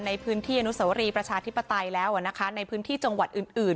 ในพื้นที่อนุสวรีประชาธิปไตยแล้วนะคะในพื้นที่จังหวัดอื่น